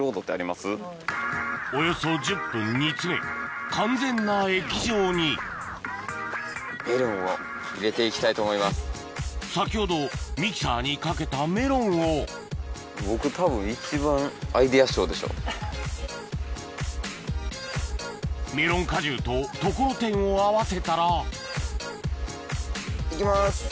およそ１０分煮詰め完全な液状に先ほどミキサーにかけたメロンをメロン果汁とところてんを合わせたら行きます。